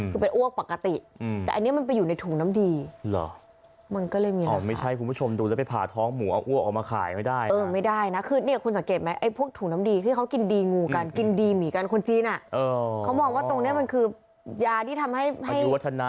คือเป็นอ้วกปกติแต่อันนี้มันไปอยู่ในถุงน้ำดีเหรอ